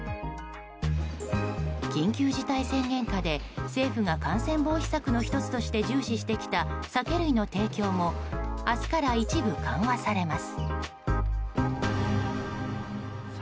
緊急事態宣言下で政府が感染防止策の１つとして重視してきた酒類の提供も明日から一部緩和されます。